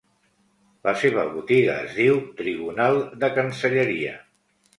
La seva botiga es diu Tribunal de Cancelleria.